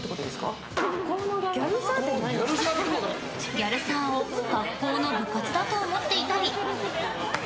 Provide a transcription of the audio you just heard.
ギャルサーを学校の部活だと思っていたり。